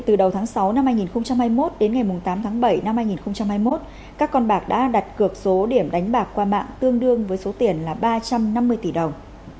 từ đầu tháng sáu năm hai nghìn hai mươi một đến ngày tám tháng bảy năm hai nghìn hai mươi một các con bạc đã đặt cược số điểm đánh bạc qua mạng tương đương với số tiền là ba trăm năm mươi tỷ đồng